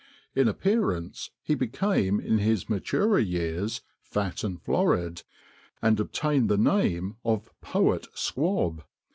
In appearance he became in his maturer years fat and florid, and obtained the name of 'Poet Squab.